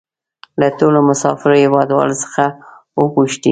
له ټولو مسافرو هېوادوالو څخه وپوښتئ.